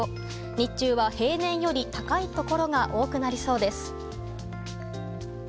日中は平年より高い所が多くなりそうです。